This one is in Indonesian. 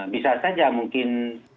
bisa saja mungkin